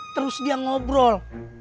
terus dia ngobrol